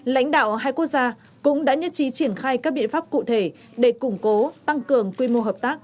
lãnh đạo hai quốc gia cũng đã nhất trí triển khai các biện pháp cụ thể để củng cố tăng cường quy mô hợp tác